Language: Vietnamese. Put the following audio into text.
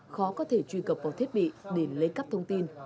khó có thể truy cập vào thiết bị để lấy cắp thông tin